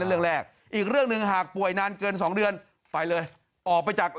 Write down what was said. เรื่องแรกอีกเรื่องหนึ่งหากป่วยนานเกิน๒เดือนไปเลยออกไปจาก